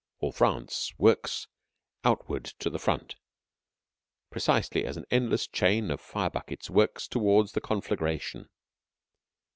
All France works outward to the Front precisely as an endless chain of fire buckets works toward the conflagration.